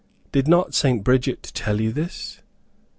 Did not St. Bridget tell you this?"